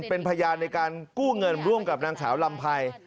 เป็นพยานในการกู้เงินร่วมกับนางสาวลำไพร